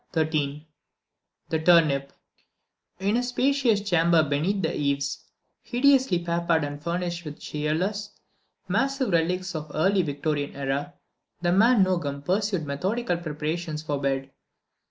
XIII THE TURNIP In a spacious chamber beneath the eaves, hideously papered and furnished with cheerless, massive relics of the early Victorian era, the man Nogam pursued methodical preparations for bed.